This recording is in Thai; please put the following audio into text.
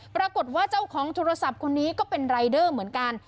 ปรากฏว่าเจ้าของโทรศัพท์คนนี้ก็เป็นรายเดอร์เหมือนกัน